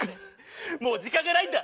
もう時間がないんだ！